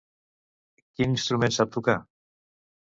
Quin instrument sap tocar?